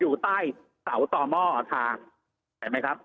อยู่ใต้เสาต่อหม้อทางเห็นไหมครับ